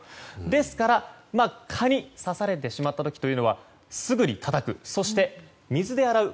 ですから蚊に刺されてしまった時はすぐにたたく、そして水で洗う。